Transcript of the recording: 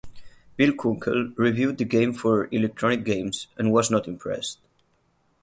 Bill Kunkel reviewed the game for "Electronic Games" and was not impressed.